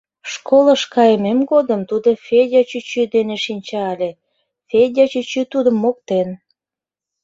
Школыш кайымем годым тудо Федя чӱчӱ дене шинча але, Федя чӱчӱ тудым моктен.